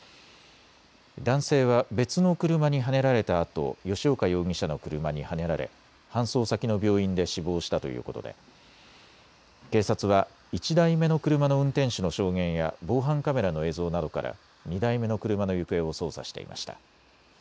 男性は別の車にはねられたあと吉岡容疑者の車にはねられ搬送先の病院で死亡したということで警察は１台目の車の運転手の証言や防犯カメラの映像などから２台目の車の行方を捜査していました。